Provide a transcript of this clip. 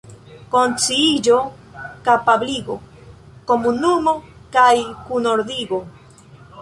Konsciiĝo, kapabligo, komunumo kaj kunordigo.